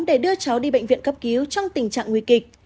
để đưa cháu đi bệnh viện cấp cứu trong tình trạng nguy kịch